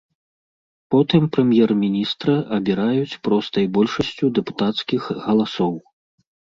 Потым прэм'ер-міністра абіраюць простай большасцю дэпутацкіх галасоў.